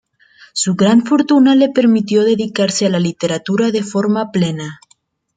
Su gran fortuna le permitió dedicarse a la literatura de forma plena.